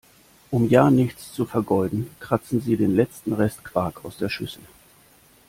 Um ja nichts zu vergeuden, kratzen sie den letzten Rest Quark aus der Schüssel.